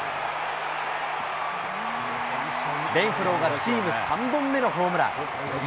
レンフローがチーム３本目のホームラン。